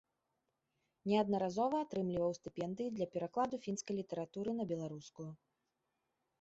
Неаднаразова атрымліваў стыпендыі для перакладу фінскай літаратуры на беларускую.